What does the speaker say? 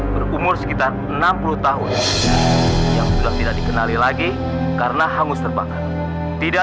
berumur sekitar enam puluh tahun yang sudah tidak dikenali lagi karena hangus terbakar tidak